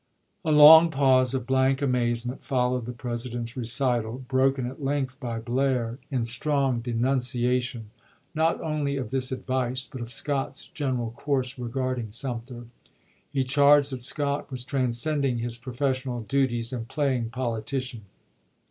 A long pause of blank amazement followed the President's recital, broken at length by Blair in THE QUESTION OF SUMTEE 395 strong denunciation, not only of this advice, but ch.xxiii. of Scott's general course regarding Sumter. He charged that Scott was transcending his profes sional duties and " playing politician."